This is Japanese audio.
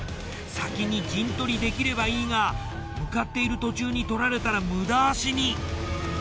先に陣取りできればいいが向かっている途中に取られたら無駄足に。